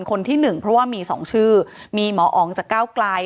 คนที่หนึ่งเพราะว่ามี๒ชื่อมีหมออ๋องจากก้าวไกล